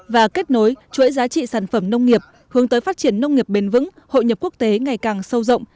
và kết nối chuỗi giá trị sản phẩm nông nghiệp hướng tới phát triển nông nghiệp bền vững hội nhập quốc tế ngày càng sâu rộng